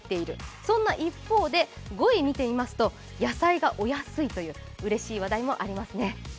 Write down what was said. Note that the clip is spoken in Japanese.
そんな一方で５位見てみますと野菜がお安いといううれしい話題もありますね。